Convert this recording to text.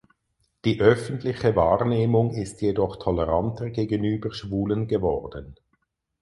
Die öffentliche Wahrnehmung ist jedoch toleranter gegenüber Schwulen geworden.